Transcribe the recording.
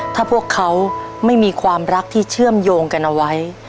ถ้าพวกเขาไม่มีความรักที่เชื่อมโยงกันเอาไว้